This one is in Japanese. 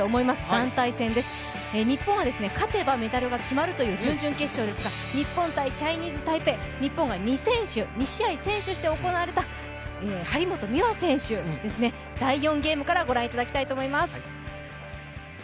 団体戦です、日本は勝てばメダルが決まるという準々決勝ですが、日本×チャイニーズ・タイペイ、日本が２試合先取して行われた張本美和選手、第４ゲームからご覧いただきたいと思います。